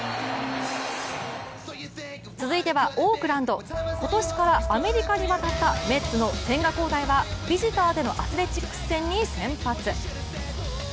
続いてはオークランド、今年からアメリカに渡ったメッツの千賀滉大はビジターでのアスレチックス戦に先発。